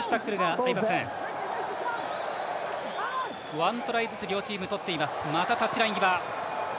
１トライずつ両チームとっています。